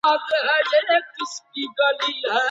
طلاق خالص ضرر دی.